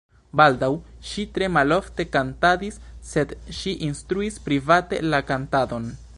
Baldaŭ ŝi tre malofte kantadis, sed ŝi instruis private la kantadon.